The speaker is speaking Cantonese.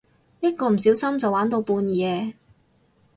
一個唔小心就玩到半夜